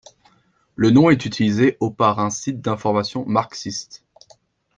Le nom est utilisé au par un site d'information marxiste.